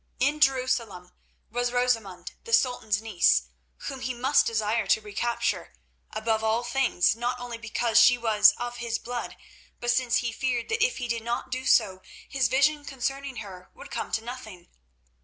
In Jerusalem was Rosamund, the Sultan's niece, whom he must desire to recapture, above all things, not only because she was of his blood, but since he feared that if he did not do so his vision concerning her would come to nothing.